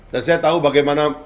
dan saya tahu bagaimana